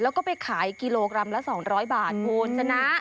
แล้วก็ไปขายกิโลกรัมละสองร้อยบาทโทนจะนะ